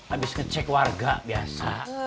abis ngecek warga biasa